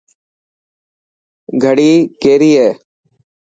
گھڙي ڪيري هي.